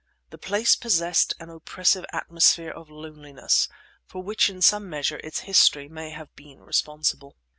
The place possessed an oppressive atmosphere of loneliness, for which in some measure its history may have been responsible.